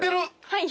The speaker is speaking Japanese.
はい。